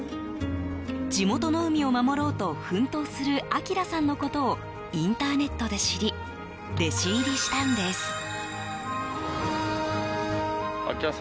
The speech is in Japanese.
地元の海を守ろうと奮闘する晶さんのことをインターネットで知り弟子入りしたんです。